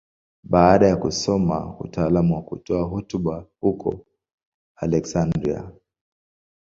Baada ya kusoma utaalamu wa kutoa hotuba huko Aleksandria.